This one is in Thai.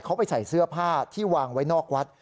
เขาไปใส่เสื้อผ้าที่วางไว้นอกวัด